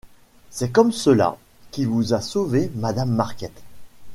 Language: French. C’est comme cela qu’il vous a sauvée, Madame Marquet.